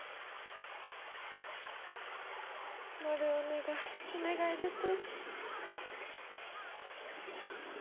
マルお願いお願い出て。